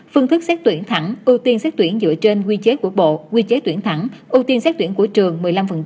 phương thức xét tuyển thẳng ưu tiên xét tuyển dựa trên quy chế của bộ quy chế tuyển thẳng ưu tiên xét tuyển của trường một mươi năm